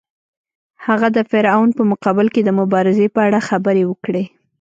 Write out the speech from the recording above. هغه د فرعون په مقابل کې د مبارزې په اړه خبرې وکړې.